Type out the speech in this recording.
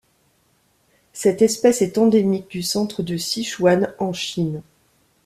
Cette espèce est endémique du centre du Sichuan en Chine.